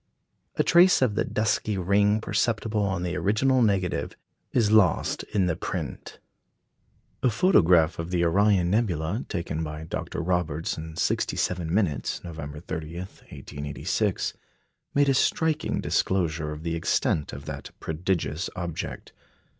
A trace of the dusky ring perceptible on the original negative is lost in the print. A photograph of the Orion nebula taken by Dr. Roberts in 67 minutes, November 30, 1886, made a striking disclosure of the extent of that prodigious object.